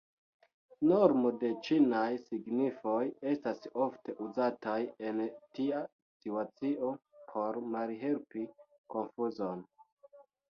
Normo de ĉinaj signoj estas ofte uzataj en tia situacio por malhelpi konfuzon.